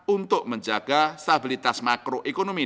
untuk menjaga stabilitas makroekonomi